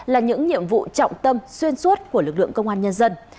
là những nhiệm vụ trọng tâm xuyên suốt của lực lượng công an nhân dân